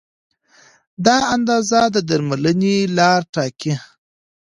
دا اندازه د درملنې لار ټاکي.